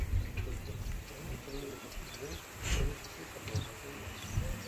قىزلىق ئەڭ قەدىمى ئۇيغۇر قىزىنىڭ، ئەۋرىشكىسى ساقلانغان سەندە.